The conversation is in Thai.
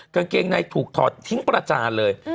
กางเกงในถูกถอดทิ้งประจานเลย